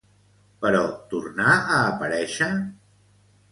Però torna a aparèixer?